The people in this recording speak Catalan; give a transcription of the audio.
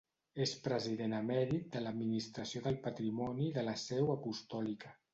És president emèrit de l'Administració del Patrimoni de la Seu Apostòlica.